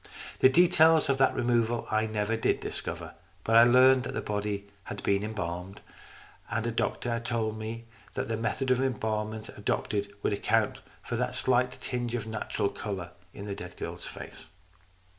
The details of that removal I never did discover. But I learned that the body had been embalmed, and a doctor told me that the method of embalm ment adopted would account for that slight tinge of natural colour in the dead girl's face.